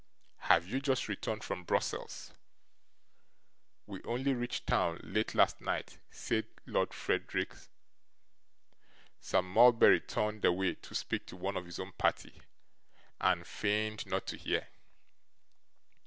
'Have you just returned from Brussels?' 'We only reached town late last night,' said Lord Frederick. Sir Mulberry turned away to speak to one of his own party, and feigned not to hear.